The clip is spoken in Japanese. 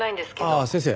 ああ先生